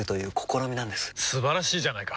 素晴らしいじゃないか！